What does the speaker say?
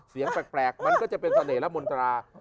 เสียงแปลกมันก็จะเป็นเสน่หมนตรา